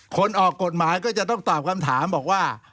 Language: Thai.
ออกกฎหมายก็จะต้องตอบคำถามบอกว่า